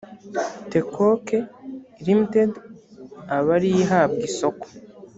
tecoc ltd aba ari yo ihabwa isoko